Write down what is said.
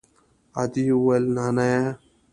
ادې وويل نانيه.